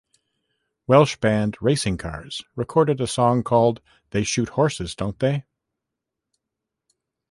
Welsh band Racing Cars recorded a song called They Shoot Horses Don't They?